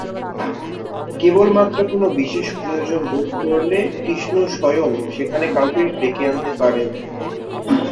কেবলমাত্র কোন বিশেষ প্রয়োজন বোধ করলে কৃষ্ণ স্বয়ং সেখানে কাউকে ডেকে আনতে পারেন।